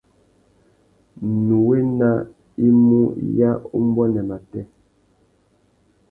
Nnú wena i mú ya umbuênê matê.